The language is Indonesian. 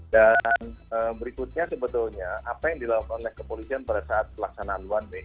dan berikutnya sebetulnya apa yang dilakukan oleh kepolisian pada saat pelaksanaan one way